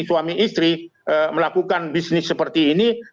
suami istri melakukan bisnis seperti ini